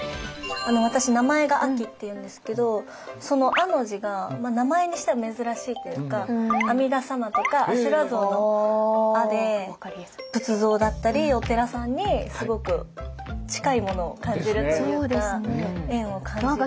私名前が「阿紀」っていうんですけどその「阿」の字が名前にしては珍しいっていうか阿弥陀様とか阿修羅像の「阿」で仏像だったりお寺さんにすごく近いものを感じるっていうか縁を感じるので。